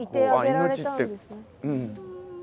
命って。